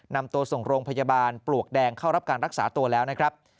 นำตัวส่งโรงพยาบาลปลวกแดงเข้ารับการรักษาตัวแล้วนะครับ